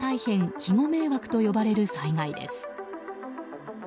島原大変、肥後迷惑と呼ばれる災害です。